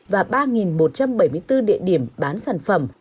và ba một trăm bảy mươi bốn địa điểm bán sản phẩm